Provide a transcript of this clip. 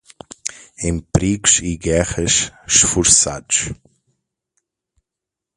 Em perigos e guerras esforçados